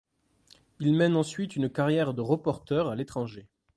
Il mène ensuite une carrière de reporter à l’étranger.